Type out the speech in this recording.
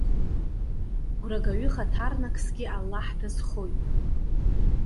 Гәрагаҩы хаҭарнаксгьы Аллаҳ дазхоит.